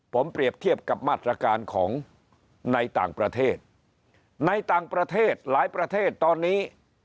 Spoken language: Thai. ผมเปรียบเทียบกับมาตรการของในต่างประเทศในต่างประเทศหลายประเทศตอนนี้